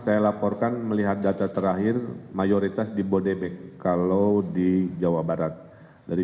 saya laporkan melihat data terakhir mayoritas di bodebek kalau di jawa barat dari